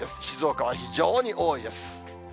静岡は非常に多いです。